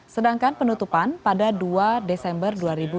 sedangkan penutupan pada dua desember dua ribu dua puluh